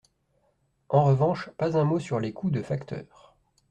En revanche, pas un mot sur les coûts de facteurs.